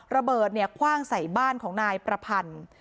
ระเบิดคว่างใส่บ้านของนายประพันธ์